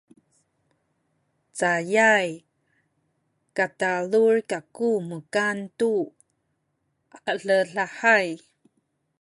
cayay katalul kaku mukan tu aledahay